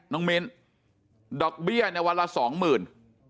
น้องมินดอกเบี้ยในวันละสองหมื่น